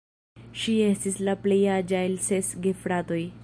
Ŝi estis la plej aĝa el ses gefratoj.